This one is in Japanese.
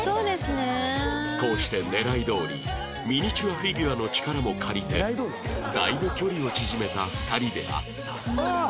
こうして狙いどおりミニチュアフィギュアの力も借りてだいぶ距離を縮めた２人であった